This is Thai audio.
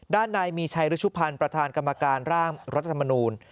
ด้านในมีชัยรุชุพันธ์ประธานกรรมการร่างรัฐธรรมนูล